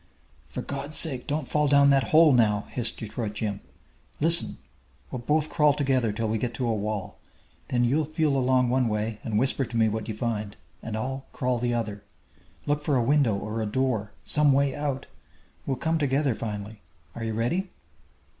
"For God's sake, don't fall down that hole now!" hissed Detroit Jim. "Listen. We'll both crawl together till we get to a wall. Then you feel along one way, and whisper to me what you find, and I'll crawl the other. Look for a window or a door some way out! We'll come together finally. Are you ready?"